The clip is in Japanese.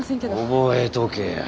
覚えとけや。